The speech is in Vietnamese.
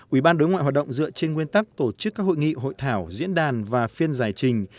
ủy ban đối ngoại hoạt động dựa trên nguyên tắc tổ chức các hội nghị hội thảo diễn đàn và phiên giải trình